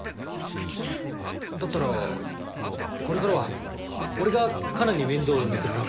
だったらこれからは俺がカナに面倒見てもらうか。